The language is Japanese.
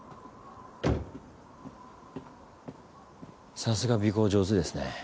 さすが尾行上手ですね。